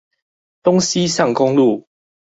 東西向公路